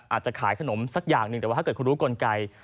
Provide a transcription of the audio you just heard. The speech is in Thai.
อาจจะขายขนมสักอย่างหนึ่งแต่ว่าถ้าเกิดคุณรู้กลไก